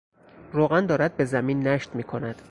روغن دارد به زمین نشت میکند.